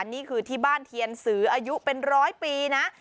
นี่คือที่บ้านเทียนสืออายุเป็นร้อยปีนะ